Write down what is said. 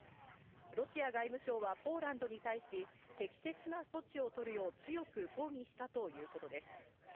ロシア外務省はポーランドに対し、適切な措置を取るよう強く抗議したということです。